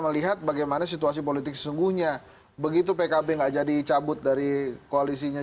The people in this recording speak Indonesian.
melihat bagaimana situasi politik sesungguhnya begitu pkb nggak jadi cabut dari koalisinya